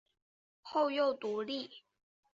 后又独立。